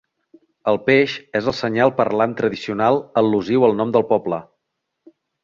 El peix és el senyal parlant tradicional al·lusiu al nom del poble.